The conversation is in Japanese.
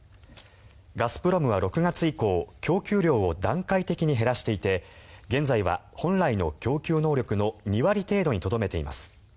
ガスプロムは６月以降供給量を段階的に減らしていて現在は本来の供給能力の２割程度にとどめています。